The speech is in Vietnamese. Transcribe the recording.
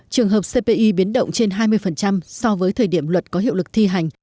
trường hợp cpi biến động trên hai mươi so với thời điểm luật có hiệu lực thi hành